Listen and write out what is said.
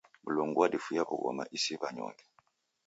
Mlungu wadifuya w'ughoma isi w'anyonge.